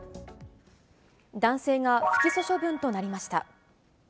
男性が不起訴処分となりました。